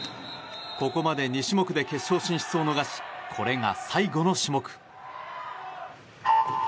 ここまで２種目で決勝進出を逃しこれが最後の種目。